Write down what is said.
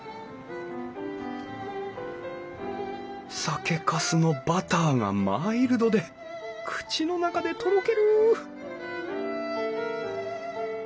酒かすのバターがマイルドで口の中でとろける！